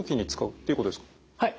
はい。